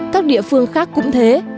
các địa phương khác cũng thế